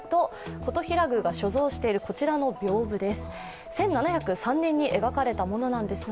金刀比羅宮が所蔵しているこちらのびょう風です。